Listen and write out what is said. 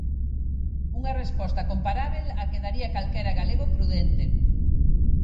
Unha resposta comparábel á que daría calquera galego prudente.